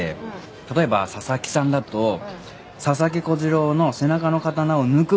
例えば佐々木さんだと佐々木小次郎の背中の刀を抜く形で「佐々木」。